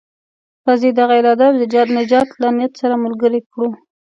راځئ دغه اراده د نجات له نيت سره ملګرې کړو.